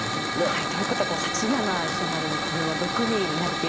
はいということは８七飛車成にこれは６二成桂。